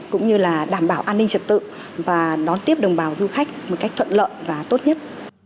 cũng như là đảm bảo an ninh trật tự và đón tiếp đồng bào du khách một cách thuận lợi và tốt nhất